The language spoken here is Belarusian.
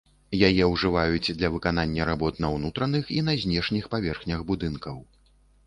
Яе ўжываюць для выканання работ на ўнутраных і на знешніх паверхнях будынкаў.